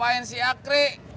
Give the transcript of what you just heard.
apaan si akrik